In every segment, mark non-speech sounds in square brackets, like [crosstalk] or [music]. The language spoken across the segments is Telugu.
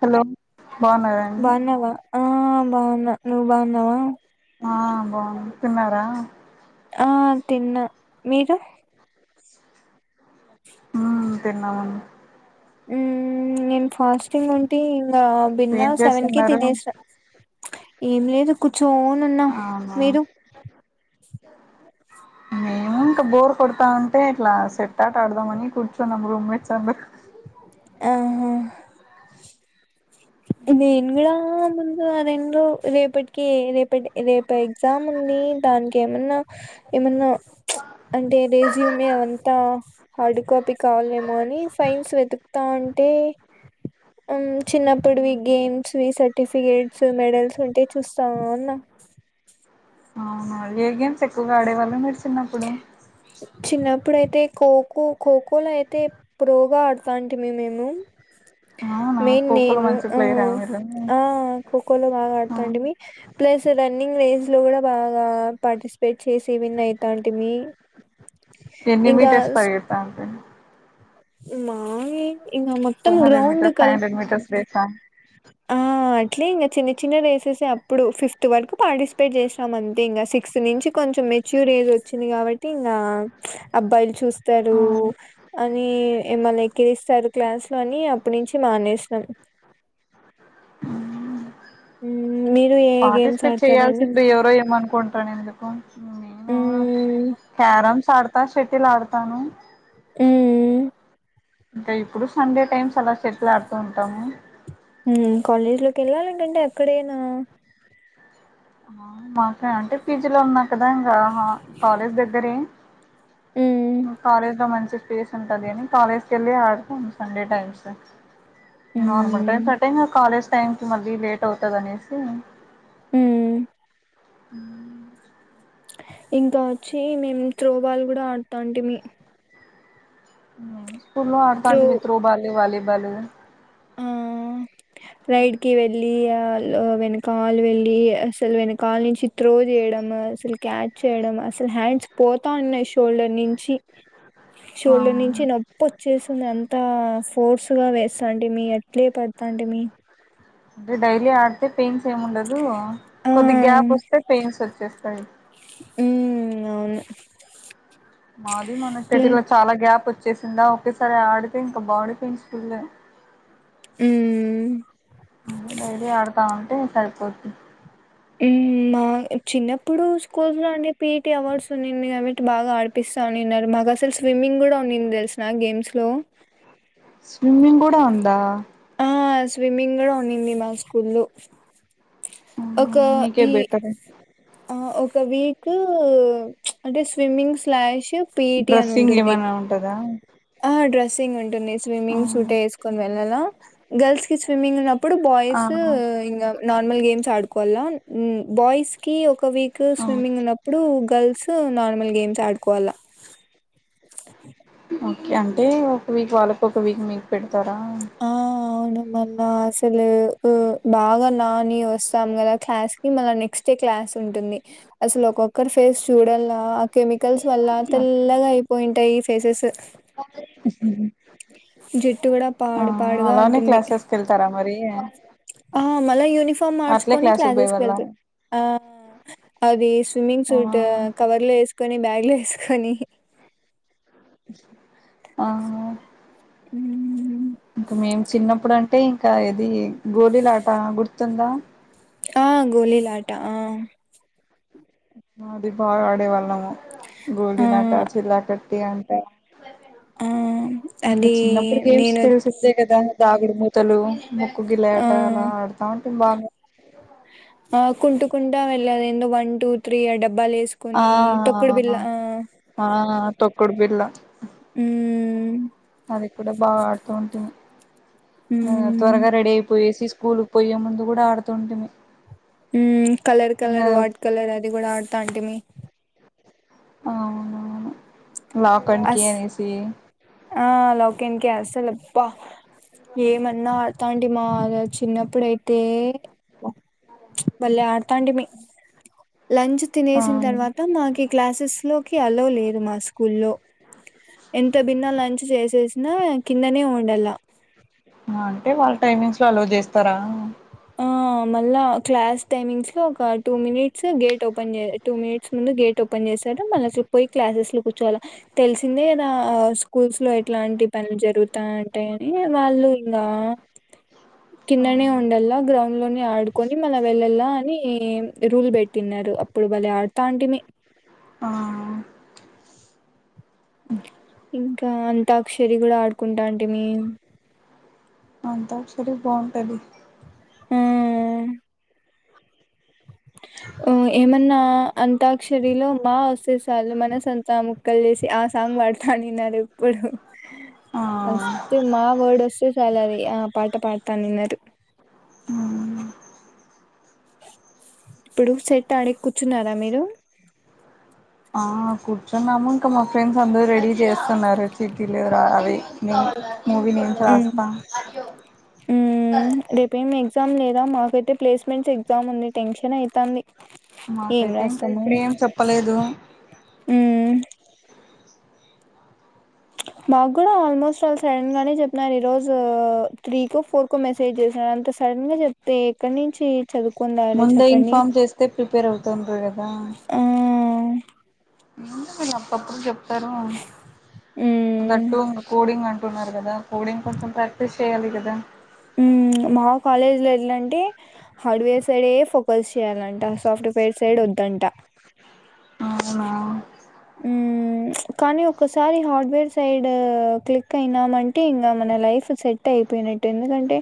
హలో బాగున్నారండి బాగున్నావా ఆ బాగున్నా నువ్వు బాగున్నావా ఆ బాగున్నా తిన్నారా ఆ తిన్నా మీరు ఉ తినం అండీ ఉమ్ నేను ఫాస్టింగ్ ఉం టి ఇంకా బిన్న ఏం సెవెన్ కి చేస్తున్నారు తినేసాం ఏం లేదు కూర్చోనున్నా అవునా మీరు మేము ఇంకా బోర్ కొడతా ఉంటే ఇట్లా సెట్ అట ఆడదామని కూర్చోన్నాం రూమ్మేట్స్ అందరుూ ఆహా నేను కుడా ఆ ముందు అ రెండు రేపటికి రేపటి రేపు ఎగ్జామ్ ఉంది దానికి ఏమన్నా ఏమన్నా అంటే రెజ్యూమ్ త హార్డ్ కాపీ కాలేమో అని ఫైన్స్ వెతుక్తా అంటే ఉమ్ చిన్న పుడువి గేమ్స్ వి సర్టిఫికేట్స్ మెడల్స్ ఉంటే చుస్తావున్నా ఆ ఏ గేమ్స్ ఎక్కువగా ఆడేవాళ్ళు మీర్ చిన్నప్పుడు చిన్నప్పుడైతే కోకో కోకోలో అయితే ప్రోగా అడ్తంటిని నేను అవునా మెయిన్ ఖోఖోలో నేను మంచి ఆ ప్లేయరా మీరు ఆ కోకో లో బాగా ఆడుతాంటిమీ ప్లస్ రన్నింగ్ ర లో కూడా బాగా పార్టిసిపేట్ చేసి విన్ అయ్ తాంటిమీ ఎన్ని మీటర్స్ పరిగెత్తా ఉంటారు మానే ఇంగ మొత్తం గ్రౌండు కల్ రెస ఆ అట్లేగా చిన్న చిన్న రేసెస్ అప్పుడు ఫిఫ్త్ వరకు పార్టిసిపేట్ చేసాం. అంతే ఇంకా సిక్స్త్ నుంచి కొంచెం మెచ్యూర్ ఏజ్ వచ్చింది కాబట్టి ఇంగా అబ్బాయిలు చూస్. తరు అనీ ఎమన్న ఎక్కిరిస్తారు క్లాస్ లో అని అప్ నుంచి మానేస్నాన్ ఉమ్ పార్టిసిపేట్ చేయయాల్సిందే ఎవరో ఏమనుకుంటారనే ఎందుకు నేనా హ్మ్. క్యారమ్ తాడ్తా శెటిల్ ఆడ్తను ఉమ్మ్మ్ అంటే ఇప్పుడు సండే టైమ్స్ అలా శెట్ల్ ఆడుతూ ఉంటాము ఉమ్ కాలేజ్లో కెల్లా లేకుంటే ఎక్కడేనా ఆ మాక అంటే పీజీలో ఉన్నా కదా ఇంగ హ కాలేజ్ దగ్గరే హ్మ్. నువ్ కాలేజ్ల మంచిగ పేస్ ఉంటది అని కాలేజ్ క వెళ్ళి ఆడ్తాం సండే టైమ్స్ నార్మల్ టైమ్ హ్మ్. కటైన్ గ కాలేజ్ టైమ్కి మళ్ళీ లేట్ అవుతది అనేసి ఉమ్ ఉమ్ ఇంకా వచ్చి మేం త్రోబాల్ కూడా అడ్తంటిమి ఉమ్ ఉహు స్కూల్లో ఆడుాంటమి త్రో బాల్య వాాలి దలు రైడ్కి వెళ్ళి కాల్ వెనకాల వెళ్ళి అసల్ వెనకాల నుంచి త్రో చేయడం అసలు క్యాచ్ చేయడం అసలు హ్యాండ్స్ పోత ఉన్నాయి షూ షోల్డర్ నుంచి షోల్డర్ ఆ నుంచి నొప్ప వచ్చేసింది అంతా స్ దోస్త్ గా వేస్తా అంటె మీ ఎట్లే పద్ తాంటేమీ అ డైలీ ఆడతే పెయిన్స్ ఏముండదు ఆ కొద్ది గ్యాప్ వస్తే పెయిన్స్ వచ్చేస్తాయి ఉమ్ అవును మాది మన ప్లే చెటి లో చాలా గ్యాప్ వచ్ వచ్చేసిందా ఒకేసారి ఆడితే ఇంకా బాడీ పెయిన్స్ ఫుల్లు ఉమ్ డైలీ ఆడతాంటే సరిపోద్ది ఉ మా చిన్నప్పుడు స్కూల్స్ లో అండి పిఈటి అవార్డ్స్ ఉన్నింది కాబట్టి బాగా ఆడిపిస్తా అనిన్నారు మాకు అసలు స్విమ్మింగ్ కూడా ఉన్నింది తెలుసా గేమ్స్ లో స్విమ్మింగ్ కూడా ఉందా ఆ స్విమ్మింగ్ కూడా ఉన్నింది మా స్కూల్లో ఒక మీకే ఈ బెటర్ ఆ ఓ ఒక వీక్ అంటే స్విమ్మింగ్ స్లాష్ పిఈటి డ్రెస్సింగ్ ఏమైనా ఉంటదా డ్రస్సింగ్ ఉంటుంది స్విమ్మింగ్ సూటే వేసుకొని వెళ్ళాల గర్ల్స్ కి స్విమ్మింగ్ ఉన్న ఇప్పుడు ఆ బాయ్స్ ఇంగా నార్మల్ గేమ్స్ ఆడుకోవాల బాయ్స్ కి ఒక ఒక వీక్ స్విమ్మింగ్ ఉన్నప్పుడు గర్ల్స్ నార్మల్ గేమ్స్ ఆడుకోవల్లా ఓ అంటే ఒక వీక్ వాళ్ళకు ఒక వీక్ మీకు పెడతారా ఆ అవును మళ్ళా అసలు ఉ బాగా నాని వస్తాం కదా క్లాస్ కి మళ్ళ నెక్స్ క్లాస్ ఉంటుంది అసలు ఒక్కొక్కరు ఫేస్ చూడల్లా ఆ కెమికల్స్ వల్ల తెల్లగా అయిపోయింటాయి ఫేసెస్ జుట్టు కూడా ఆ పాడు పాడుగా అలానే ఉంటుంది క్లాసెస్ కి వెళ్తారా మరి మళ్ళ యుని ఫాం అట్లే మార్చుకొని క్లాసుకి క్లాసెస్ కి పోయేవాళ్ళ వెళ్తాం ఆది స్విమ్మింగ్ సూట్ ఆ కవర్ లో ఏసు కొని బ్యాగ్లో వేసుకొని అవును మ్మ్. ఇంకా మేము చిన్నప్పుడు అంటే ఇంకా ఏది గోళీల ఆట గుర్తుందా ఆ గోలీలా ఆట ఆ అది బాగా ఆడే వాళ్ళము ఆ గోలీల ఆట చిల్లా క తీ అంతే ఆ అంటే అది చిన్నప్పుడు గేమ్స్ నేను తెలిసిందే కదా దాగుడుమూతలు ముక్కు గ ఆ లేట అలా ఆడతాను చ బాగా ఆ కుంట కుంటా వెళ్ళేది వన్ టూ త్రీ అ డబ్ బ్బాలు ఆ వేసుకుని తొక్కుడు బిల్ళ ఆ తొకుడుబిల్లా మ్మ్ అది కూడా బాగా ఆడుతూ ఉంటిమి ఆ మ్మ్ త్వరగా రెడీ అయిపోయిసి స్కూలుకు పోయే ముందు కూడా ఆడుతుంటిమీ ఉ కలర్ కలర్ వాట్ కలర్ అది కూడా ఆడతా అంటిమీ లాకాడ్కి అస్ అనేసి ఆ లాక్కేన్కి అసలుబ్బ ఏమన్నా ఆడతాండిమా అసలు చిన్నప్పుడైతే బలే ఆడతంతిని లంచ్ తినేసిన ఆ తర్వాత మాకి క్లాసెస్ లోకి అలో లేదు మా స్కూల్ లో ఎంత లంచ్ చేసేసినా కిందనే ఉండలా అంటే వాళ్ళ టైమింగ్స్ లో అల్లో చేస్తారా ఆ మళ్ళా క్లాస్ టైమింగ్స్ లో ఒక two minutes gate open two minutes ముందు గేట్ ఓపెన్ చేశారు మళ్ళ పోయి క్లాసెస్ లో కూర్చోల తెలిసిందే కదా స్కూల్స్ లో ఎట్లాంటి పనులు జరుగుతా ఉంటాయని వాళ్ళు ఇంకా కిందనే అవును ఉండల గ్రౌండ్ లోని ఆడుకొని మళ వెళ్ళలా అని రూల్ పెట్టిన్నారు అప్పుడు భలే అడతాంటిమి ఆ ఇంకా అంతాక్షరి కూడా ఆడుకుంటవుంటిమి అంతాక్షరి బాగుంటది హ ఆ ఏమన్నా అంతాక్షరిలో మా వసే చాలు మనసుంతా ముక్కలు చేసి ఆ సాంగ్ పాడుతానున్నారు ఇప్పుడు ఆ ఫస్తే మా వర్డ్ వస్తే చాలు అది ఆ పాట పాడతా విన్నారు ఇప్పుడు సెట్ ట్టడ కూర్చున్నారా మీరు ఆ కూర్చున్నాము ఇంకా మా ఫ్రెండ్స్ అందరు రెడీ చేస్తున్నారు చిటీలు అవి మే మూవీ నేమ్స్ మ్మ్ రాస్తా మ్మ్ రేపేం ఎగ్జామ్ లేదా మాకు అయితే ప్లేస్మెంట్స్ ఎగ్జామ్ ఉంది టెన్షన్ అవుతుంది ఏం మాకైతే ఇంకా రాస్తామో ఇప్పుడు ఏం చెప్పలేదు హా మాకు కూడా ఆల్మోస్ట్ సడన్ గానే చెపిన్నరూ ఈరోజు త్రీకో ఫోర్ కు మెసేజ్ చేసిన అంత సడన్ గా చెప్తే ఎక్కడి నుంచి చదువుకుంరావలా ముందే చెప్పండి ఇన్ఫార్మ్ చేస్తే ప్రిపేర్ అవుతుండ్రు కదా ఆ ఇ అప్పప్పుడు చెప్పు మ్మ్ స్తారుదట్టు ఇం కూడింగ్ంట న్నారు కదా కోడింగ్ కొంచెం ప్రాక్టీస్ చేయ్యాలి కదా మ్మ్ మా కాలేజ్ లో ఎట్లా ప చేయాలంట ఆ సాఫ్ట్వేర్ సైడ్ వద్దంట అవునా ఉ కానీ ఒకసారి హార్డ్వేర్ సైడ్ క్లిక్ అయినా అంటే ఇంకా మన లైఫ్ సెట్ అయిపోయినట్టు ఎందుకంటే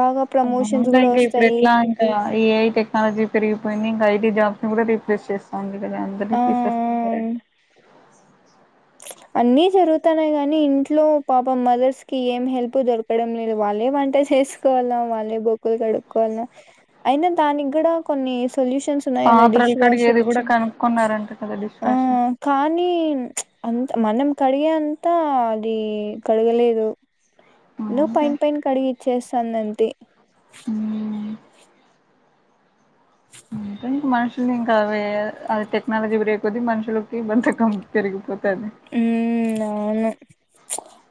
బాగా ప్రమోషన్స్ అవునులే కూడా ఇంక ఇప్పుడు వస్తాయి ఎట్లా ఇంకా ఈ ఏఐ టెక్నాలజీ పెరిగిపోయింది ఇంకా ఐటీ జాబ్ ని కూడా రీప్లేస్ చేస్తాంది అ అందరని అన్ని జరుగుతున్నాయి కాగానీ ఇంట్లో పాప మదర్స్ కిఏం హెల్ప్ దొరకడం లేదు వాళ్ళే వంట చేసుకోవాల వాళ్ళే బొకులు కడుక్కోవాల అయినా దానికి కూడా కొన్ని సొల్యూషన్స్ ఉన్నాయిదా డిష్ పాత్రలు వాషర్ కడిగేది కూడా వచ్చి కనుక్కున్నారంట కదా డిష్ ఆ వాషర్ కానీ అంత మనం కడిగే అంతా అది కడగలేదు నువ్వు అంతే పైన పైన కడిగి ఇచ్చేస్తాందంతే తకు మ ఇంకా అ అది టెక్నాలజీ బ్రే కొద్ది మనుషులకి బంతకం పెరిగిపోంది ఉమ్ అవును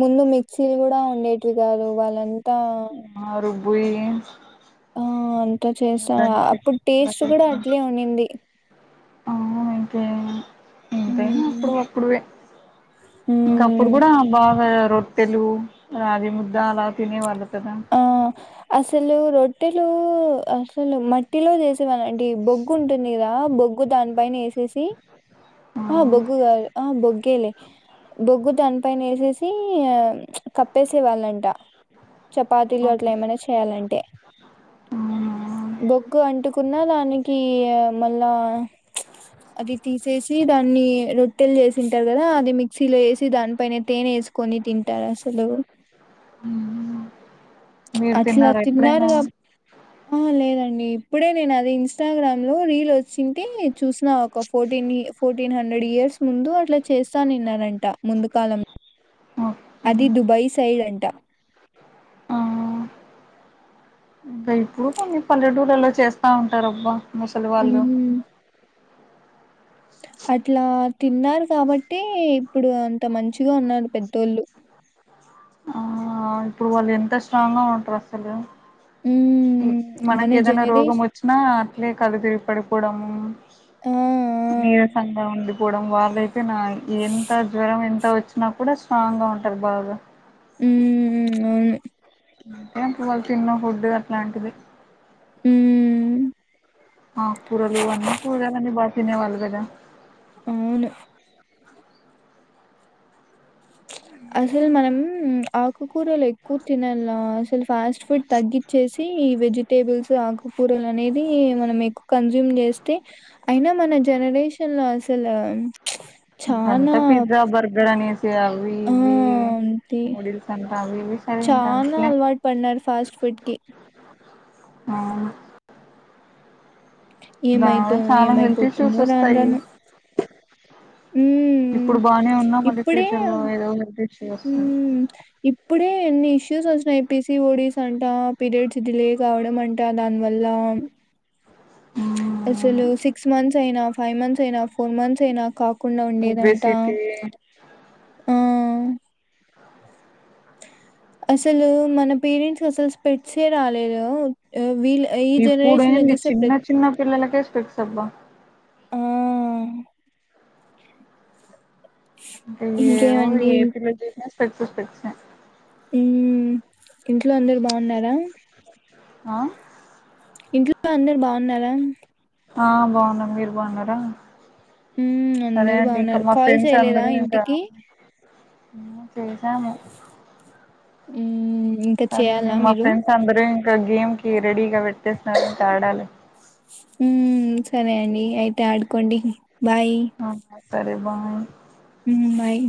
ముందు మీ చిలు కూడా ఉండేటివి కాదు వాళ్ళ న్ ఆరూ పోయి అ ఆ అంతా చేసా అప్పుడు అలా టేస్ట్ కూడా అట్లే ఉనిండింది అవున్ ఇంకే ఇంతైనా ఉమ్ అప్పుడు అప్పుడివే ఇంక అప్పుడు ఉమ్ కూడా బాగా రోట్ ట్టెలు రాగి ముద్ద అలా తినే వాళ్ళుకదా ఆ అసలు రొట్టెలు అసలు మట్టిలో చేస్ డి మనడ్డి బొగ్గు ఉంటుంది కదా గా బొగ్గు దాని పైన ఏసేసి ఆ బొగ్గు కాదు ఆ బొగ్గెలే బొగ్గు దాన్ పైన ఏసేసి కప్పేసే వాళ్ళంట చపాతీలు అవును అట్లా ఏమైనా చేయాలంటే అవునా? బొగ్గు అంటూక్ కున్న దానికి ఏమన్నా అది తీ తీ దాన్ని రొట్టెలు చేసిింటారు కదా అది మిక్సీలో, వేసి దానిపైనే తేనె వేసుకొని తింటారు అసలు. హ్మ్. ప్చ్ మీరు అట్లా తిన్నారా ఎప్పుడైనా తిన్నారుగా ఆ లేదండి ఇప్పుడే నేను అది ఇన్స్టాగ్రామ్లో రీల్ వచ్చింటే చూసిన ఒక ఫోర్టీన్ ఫోర్టీన్ హండ్రెడ్ ఇయర్స్ ముందు అట్లా చేస్తానున్నారు. అంట ముందుకాలం ఓ ది దుబాయ సైడ్ అంట ఆ ఇంకా ఇప్పుడు కొన్ని పల్లెటూళ్రులో చేస్తా ఉంటారు అబ్బా. ముసలు వాళ్లు హ్మ్. అట్లా తిన్నారు కాబట్టి ఇప్పుడు అంత మంచిగా ఉన్నారు పెద్దోళ్ళు. ఆ ఇప్పుడు వాళ్ళు ఎంత స్ట్రాంగ్ గా ఉంటారు అసలు ఈ హ్మ్. మన మనకి ఏదైనా రోగం జనరేష్ వచ్చినా అట్లే కళ్ళు తిరిగి పడిపో పుడము ఆ! ఆ! నిరసంగా ఉంది పోవడం వాళ్ళే నా ఎంత జ్వరం ఎంత అంత వచ్చినా కూడా స్ట్రాంగ్ గా ఉంటాది బాగా ఉ అవును అదే వాళ్ళు తిన్న ఫుడ్ అట్లాంటిది. హ్మ్. ఆకూరలు అన్ని కూరగాయలు బా. తినేవాళ్ళు కదా అవును అసలు మనం ఆకుకూరలు ఎక్కువ తినల్ల అసలు ఫాస్ట్ ఫుడ్ తగ్గించేసి ఈ వెజిటేబుల్స్ ఆకుకూరలు అనేది మనం ఎక్కువ కన్జ్యూమ్ చేస్తే అయినా మన జనరేషన్లో అసల్. సలు ఎంత పిజ్జా బర్గర్ అనేసి అవి ఆ ఇవి అంతే నూడుల్స్ అంటా అవిశ తింటే చానా అట్లానే అలవాటు పడినారు ఫాస్ట్ ఫుడ్ కి ఆ దా ఏమైతో చాలా హెల్త్ ఇష్యూస్ ఏమైపోతుందో రాను వస్తాయి రాను ఉమ్ ఇప్పుడు బానే ఉన్నా మళ్ళీ ఇప్పుడే ఫ్యూచర్ లో ఏదో హెల్త్ ఇష్యూస్ వస్తది. ఉమ్ ఇప్పుడే ఎన్ని ఇష్యూస్ వచ్చినాయి ఎపీస ఓడీస్ అంట పీరియడ్స్ డిలే కావడం అంట దాని వల్ల. మ్మ్ అసలు సిక్స్ మంత్స్ అయినా ఫైవ్ మంత్స్ అయినా ఫోర్ మంత్స్ అయినా కాకుండా ఉండేదంట ఒబేసిటీ ఆ ఆ అసలు మన పేరెంట్స్ అసలు స్పెట్సే రాలేదు వీళ్ళ ఈ జనరేషన్ చూసే ప్ర స్పెక్ట్రం అబ్బా ఆ ఏమో ఇంకేమండి ఎపిలో చే [unintelligible] హ్మ్ ఇంట్లో అందరూ బావున్నారా ఆ ఇంట్లో అందరు బావు న్నారా? ఆ బావున్నాం మీరు బావున్నారా మ్మ్ సరే అందరు అండి ఇంకా బాగున్నారు. మా కాల్ ఫ్రెండ్స్ చేయలేదా అందరూ ఇంకా ఇంటికి? [inaudible] చేసాము హ్మ్ సరే నే మా ఫ్రెండ్స్ అందరూ ఇక గేమ్ కి రెడీగా పెట్టేస్తున్నాడు ఇక ఆడాలి హ్మ్ సరే అండి అయితే ఆడ్కోండి. ఆ సరే బాయ్ హ్మ్ బాయ్